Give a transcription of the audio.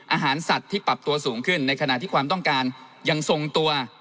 อาหารสัตว์ที่ปรับตัวสูงขึ้นในขณะที่ความต้องการยังทรงตัว